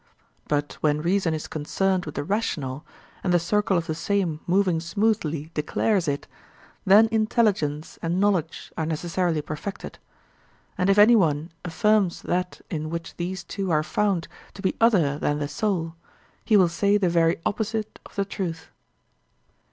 But when reason is concerned with the rational, and the circle of the same moving smoothly declares it, then intelligence and knowledge are necessarily perfected. And if any one affirms that in which these two are found to be other than the soul, he will say the very opposite of the truth.